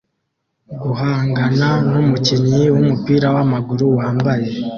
guhangana n'umukinnyi w'umupira w'amaguru wambaye